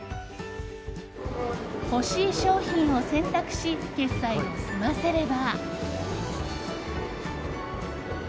欲しい商品を選択し決済を済ませれば。